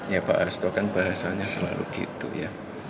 ya pak hasto kan bahasanya selalu gitu ya